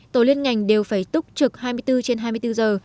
tổ liên ngành đều phải túc trực hai mươi bốn trên hai mươi bốn giờ